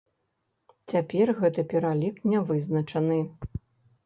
Цяпер гэты пералік не вызначаны.